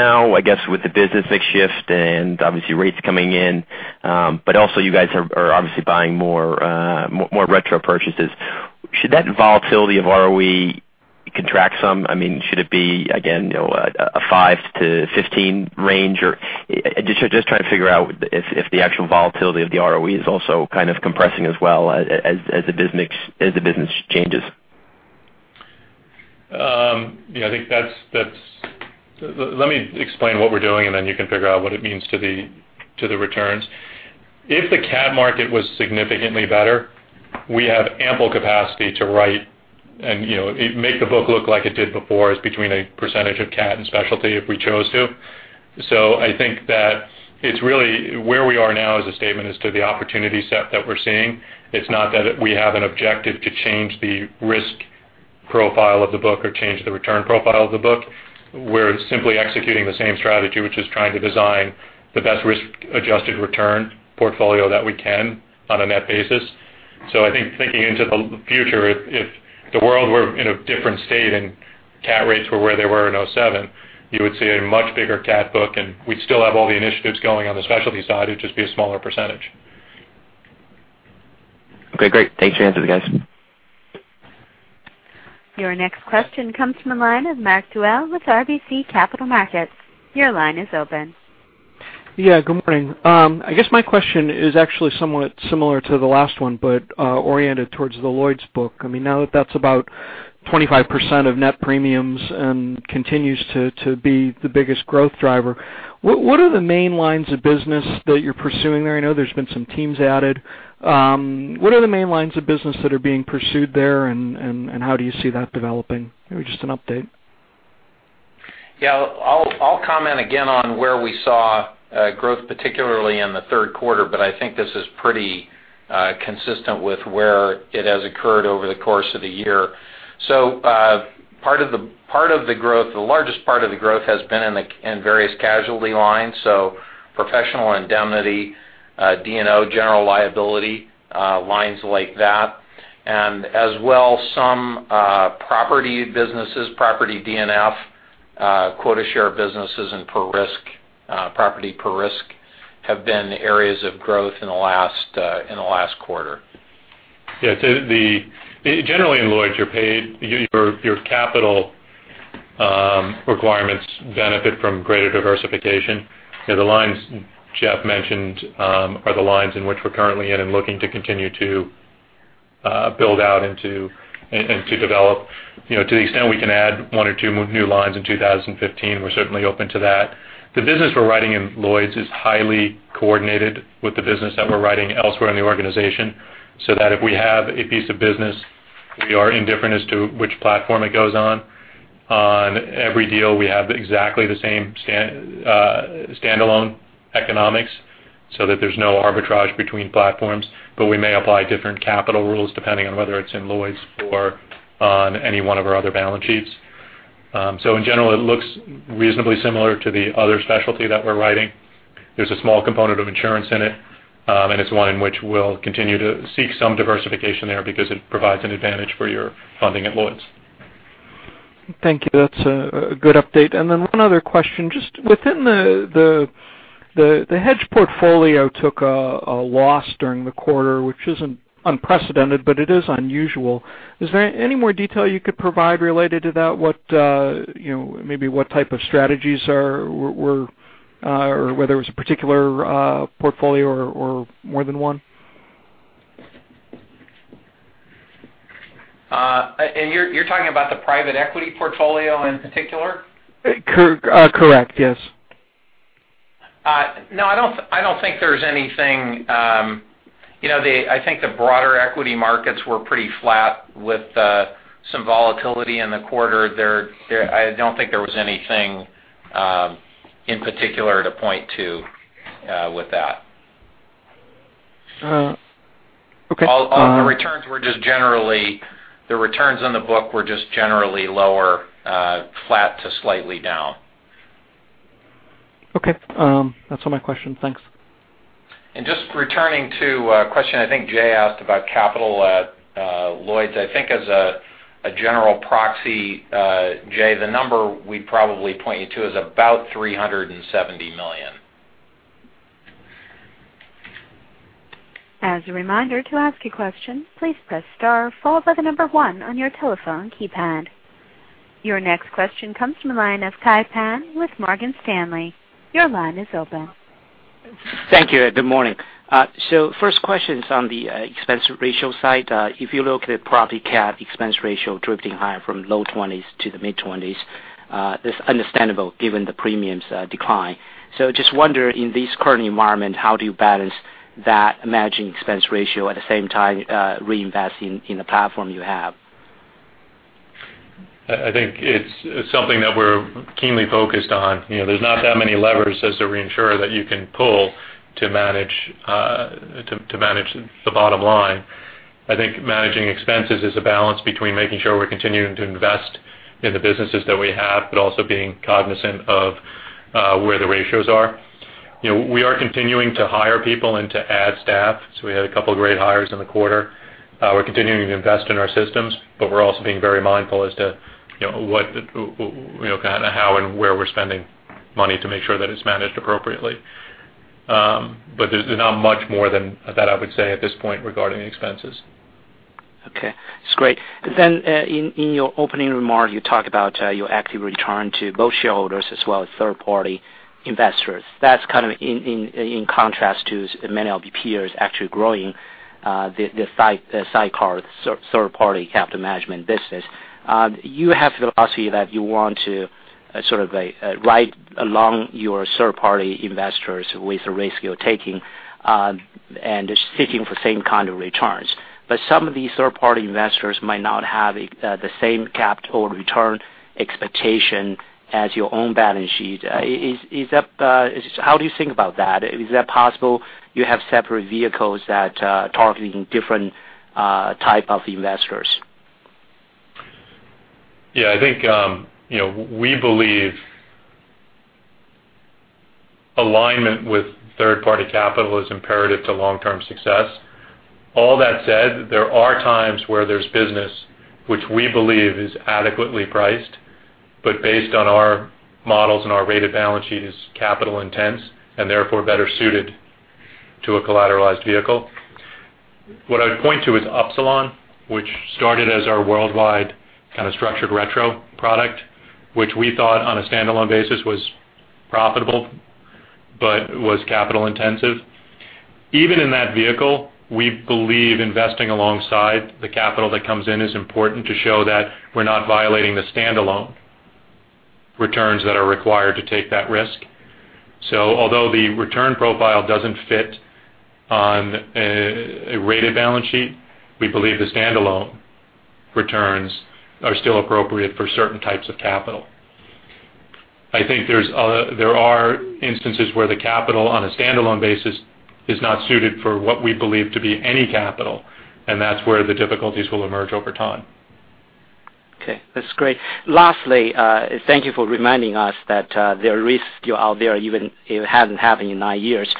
Now, I guess with the business mix shift and obviously rates coming in, but also you guys are obviously buying more retro purchases. Should that volatility of ROE contract some? Should it be, again, a 5%-15% range or just trying to figure out if the actual volatility of the ROE is also kind of compressing as well as the business changes. Let me explain what we're doing, and then you can figure out what it means to the returns. If the cat market was significantly better, we have ample capacity to write and make the book look like it did before as between a percentage of cat and specialty if we chose to. I think that it's really where we are now as a statement as to the opportunity set that we're seeing. It's not that we have an objective to change the risk profile of the book or change the return profile of the book. We're simply executing the same strategy, which is trying to design the best risk-adjusted return portfolio that we can on a net basis. I think thinking into the future, if the world were in a different state and cat rates were where they were in 2007, you would see a much bigger cat book, and we'd still have all the initiatives going on the specialty side. It'd just be a smaller %. Okay, great. Thanks for the answers, guys. Your next question comes from the line of Mark Dwelle with RBC Capital Markets. Your line is open. Good morning. I guess my question is actually somewhat similar to the last one, but oriented towards the Lloyd's book. Now that that's about 25% of net premiums and continues to be the biggest growth driver, what are the main lines of business that you're pursuing there? I know there's been some teams added. What are the main lines of business that are being pursued there, and how do you see that developing? Maybe just an update. I'll comment again on where we saw growth, particularly in the third quarter, but I think this is pretty consistent with where it has occurred over the course of the year. The largest part of the growth has been in various casualty lines, professional indemnity, D&O general liability, lines like that. As well, some property businesses, Property D&F, quota share businesses, and property per risk have been areas of growth in the last quarter. Yeah. Generally in Lloyd's, your capital requirements benefit from greater diversification. The lines Jeff mentioned are the lines in which we're currently in and looking to continue to build out and to develop. To the extent we can add one or two new lines in 2015, we're certainly open to that. The business we're writing in Lloyd's is highly coordinated with the business that we're writing elsewhere in the organization, so that if we have a piece of business, we are indifferent as to which platform it goes on. On every deal, we have exactly the same standalone economics so that there's no arbitrage between platforms, but we may apply different capital rules depending on whether it's in Lloyd's or on any one of our other balance sheets. In general, it looks reasonably similar to the other specialty that we're writing. There's a small component of insurance in it's one in which we'll continue to seek some diversification there because it provides an advantage for your funding at Lloyd's. Thank you. That's a good update. One other question, just within the hedge portfolio took a loss during the quarter, which isn't unprecedented, but it is unusual. Is there any more detail you could provide related to that? Maybe what type of strategies or whether it was a particular portfolio or more than one? You're talking about the private equity portfolio in particular? Correct, yes. No, I don't think there's anything. I think the broader equity markets were pretty flat with some volatility in the quarter. I don't think there was anything in particular to point to with that. Okay. The returns on the book were just generally lower, flat to slightly down. Okay. That's all my questions. Thanks. Just returning to a question I think Jay asked about capital at Lloyd's. I think as a general proxy, Jay, the number we'd probably point you to is about $370 million. As a reminder, to ask a question, please press star followed by the number one on your telephone keypad. Your next question comes from the line of Kai Pan with Morgan Stanley. Your line is open. Thank you. Good morning. First question is on the expense ratio side. If you look at Property catastrophe expense ratio drifting higher from low 20s to the mid-20s, it's understandable given the premiums decline. Just wonder in this current environment, how do you balance that managing expense ratio, at the same time, reinvest in the platform you have? I think it's something that we're keenly focused on. There's not that many levers as a reinsurer that you can pull to manage the bottom line. I think managing expenses is a balance between making sure we're continuing to invest in the businesses that we have, but also being cognizant of where the ratios are. We are continuing to hire people and to add staff. We had a couple of great hires in the quarter. We're continuing to invest in our systems, but we're also being very mindful as to how and where we're spending money to make sure that it's managed appropriately. There's not much more that I would say at this point regarding expenses. Okay. That's great. In your opening remark, you talked about your active return to both shareholders as well as third party investors. That's kind of in contrast to many of your peers actually growing the sidecar third party capital management business. You have philosophy that you want to sort of ride along your third party investors with the risk you're taking and sticking for same kind of returns. Some of these third party investors might not have the same capital return expectation as your own balance sheet. How do you think about that? Is that possible you have separate vehicles that targeting different type of investors? I think we believe alignment with third party capital is imperative to long term success. All that said, there are times where there's business which we believe is adequately priced, but based on our models and our rated balance sheet is capital intense and therefore better suited to a collateralized vehicle. What I'd point to is Upsilon, which started as our worldwide kind of structured retro product, which we thought on a standalone basis was profitable, but was capital intensive. Even in that vehicle, we believe investing alongside the capital that comes in is important to show that we're not violating the standalone returns that are required to take that risk. Although the return profile doesn't fit on a rated balance sheet, we believe the standalone returns are still appropriate for certain types of capital. I think there are instances where the capital on a standalone basis is not suited for what we believe to be any capital, and that's where the difficulties will emerge over time. Okay. That's great. Lastly, thank you for reminding us that there are risks still out there even it hasn't happened in nine years.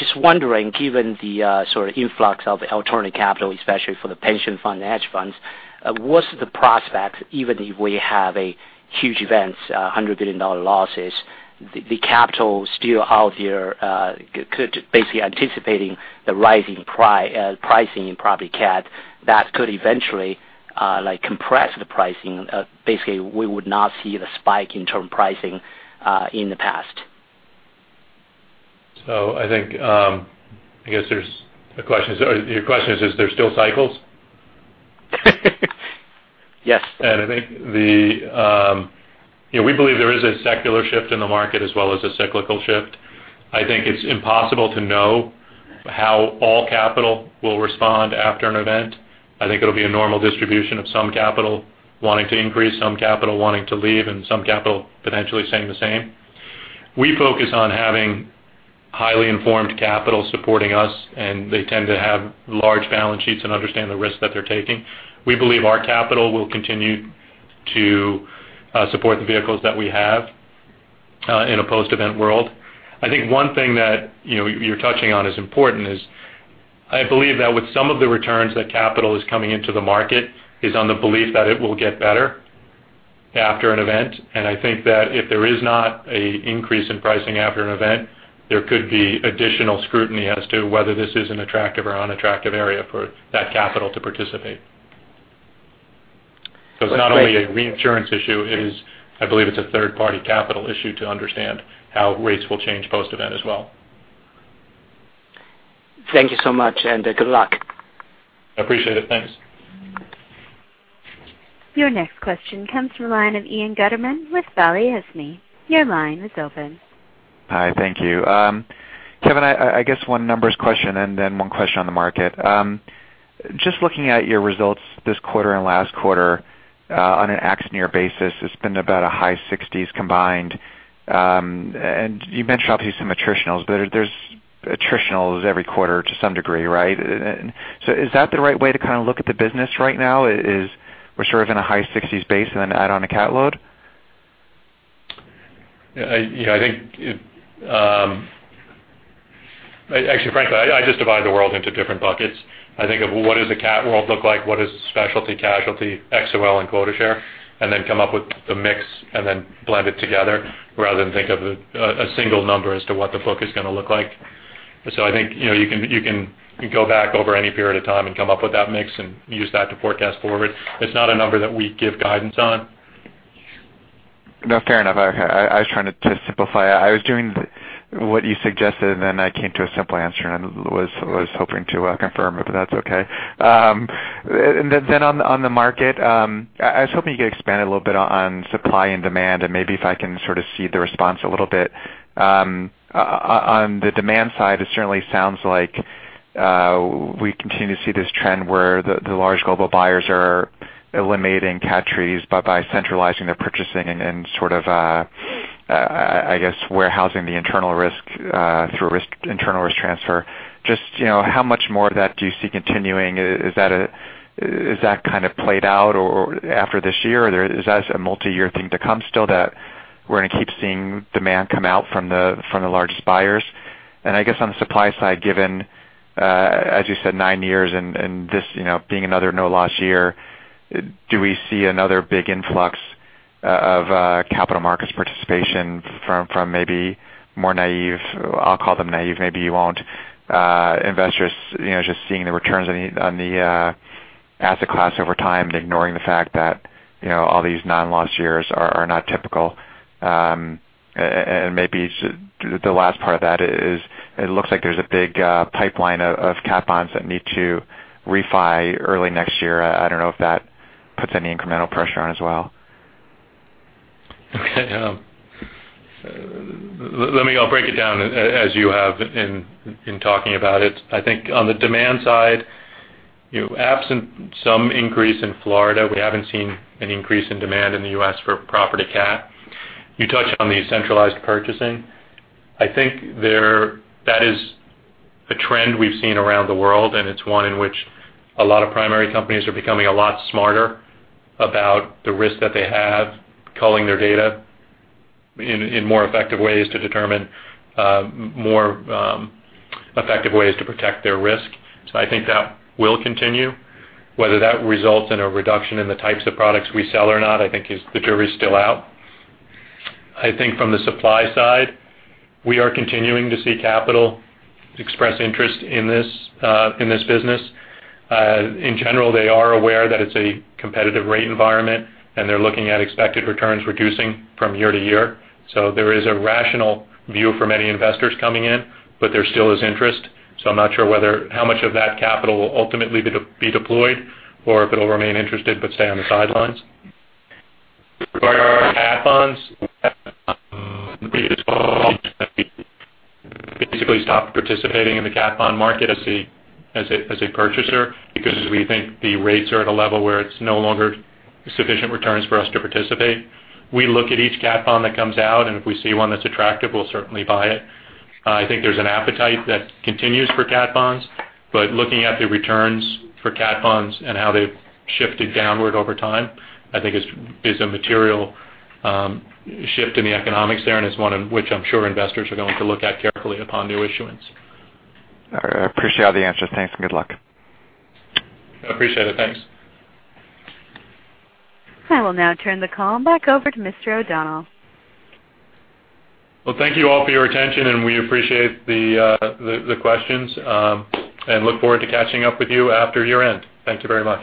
Just wondering, given the sort of influx of the alternative capital, especially for the pension fund, hedge funds, what's the prospects even if we have a huge event, $100 billion losses, the capital still out there could basically anticipate the rising pricing in Property catastrophe that could eventually compress the pricing, basically we would not see the spike in term pricing in the past? I think, I guess your question is there still cycles? Yes. I think we believe there is a secular shift in the market as well as a cyclical shift. I think it's impossible to know how all capital will respond after an event. I think it'll be a normal distribution of some capital wanting to increase, some capital wanting to leave, and some capital potentially staying the same. We focus on having highly informed capital supporting us, and they tend to have large balance sheets and understand the risk that they're taking. We believe our capital will continue to support the vehicles that we have in a post-event world. I think one thing that you're touching on is important is I believe that with some of the returns that capital is coming into the market is on the belief that it will get better after an event. I think that if there is not a increase in pricing after an event, there could be additional scrutiny as to whether this is an attractive or unattractive area for that capital to participate. It's not only a reinsurance issue, I believe it's a third party capital issue to understand how rates will change post-event as well. Thank you so much, and good luck. I appreciate it. Thanks. Your next question comes from the line of Ian Gutterman with Balyasny. Your line is open. Hi. Thank you. Kevin, I guess one numbers question and then one question on the market. Just looking at your results this quarter and last quarter on an ex-cat basis, it's been about a high 60s combined. You mentioned obviously some attritionals, but there's attritionals every quarter to some degree, right? Is that the right way to look at the business right now? Is we're sort of in a high 60s base and then add on a cat load? Yeah. Actually, frankly, I just divide the world into different buckets. I think of what does a cat world look like, what is specialty casualty, XOL and quota share, and then come up with the mix and then blend it together rather than think of a single number as to what the book is going to look like. I think you can go back over any period of time and come up with that mix and use that to forecast forward. It's not a number that we give guidance on. No, fair enough. Okay. I was trying to simplify it. I was doing what you suggested, I came to a simple answer, and I was hoping to confirm it, but that's okay. On the market, I was hoping you could expand a little bit on supply and demand, and maybe if I can sort of see the response a little bit. On the demand side, it certainly sounds like we continue to see this trend where the large global buyers are eliminating cat treaties by centralizing their purchasing and sort of, I guess, warehousing the internal risk through internal risk transfer. Just how much more of that do you see continuing? Is that kind of played out or after this year? Is that a multi-year thing to come still, that we're going to keep seeing demand come out from the largest buyers? I guess on the supply side, given, as you said, nine years and this being another no loss year, do we see another big influx of capital markets participation from maybe more naive, I'll call them naive, maybe you won't, investors just seeing the returns on the asset class over time and ignoring the fact that all these non-loss years are not typical. Maybe the last part of that is it looks like there's a big pipeline of cat bonds that need to refi early next year. I don't know if that puts any incremental pressure on as well. Okay. Let me break it down as you have in talking about it. I think on the demand side, absent some increase in Florida, we haven't seen an increase in demand in the U.S. for Property catastrophe. You touched on the centralized purchasing. I think that is a trend we've seen around the world, and it's one in which a lot of primary companies are becoming a lot smarter about the risk that they have, culling their data in more effective ways to determine more effective ways to protect their risk. I think that will continue. Whether that results in a reduction in the types of products we sell or not, I think the jury's still out. I think from the supply side, we are continuing to see capital express interest in this business. In general, they are aware that it's a competitive rate environment, and they're looking at expected returns reducing from year to year. There is a rational view for many investors coming in, but there still is interest. I'm not sure how much of that capital will ultimately be deployed or if it'll remain interested but stay on the sidelines. For our cat bonds, we basically stopped participating in the cat bond market as a purchaser because we think the rates are at a level where it's no longer sufficient returns for us to participate. We look at each cat bond that comes out, and if we see one that's attractive, we'll certainly buy it. I think there's an appetite that continues for cat bonds, but looking at the returns for cat bonds and how they've shifted downward over time, I think is a material shift in the economics there, and it's one in which I'm sure investors are going to look at carefully upon new issuance. All right. I appreciate all the answers. Thanks, and good luck. I appreciate it. Thanks. I will now turn the call back over to Mr. O'Donnell. Well, thank you all for your attention, and we appreciate the questions, and look forward to catching up with you after year-end. Thank you very much.